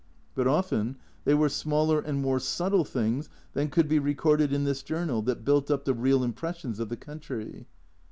But often they were smaller and more subtle things than could be recorded in this journal that built up the real impressions of the country.